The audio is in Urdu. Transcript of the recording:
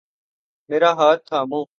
میرا ہاتھ تھامو